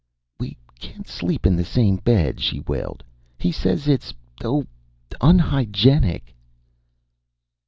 _" "We can't sleep in the same bed," she wailed. "He says it's oh! unhygienic!"